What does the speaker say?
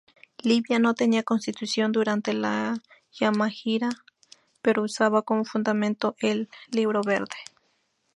Libia no tenía Constitución durante la Yamahiriya, pero usaba como fundamento el "Libro verde".